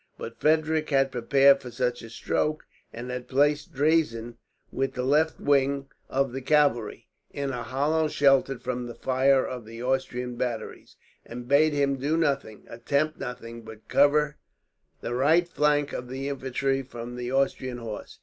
But Frederick had prepared for such a stroke; and had placed Draisen, with the left wing of the cavalry, in a hollow sheltered from the fire of the Austrian batteries, and bade him do nothing, attempt nothing, but cover the right flank of the infantry from the Austrian horse.